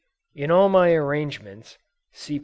In all my arrangements, (see p.